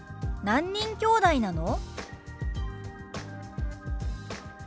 「何人きょうだいなの？」。